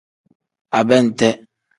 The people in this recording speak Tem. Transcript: Abente.